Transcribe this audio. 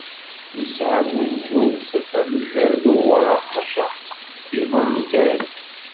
Nesεa buzdud amellal d uwraɣ, maca s tqebbiḍin kan.